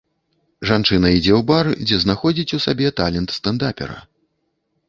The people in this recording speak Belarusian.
Жанчына ідзе ў бар, дзе знаходзіць у сабе талент стэндапера.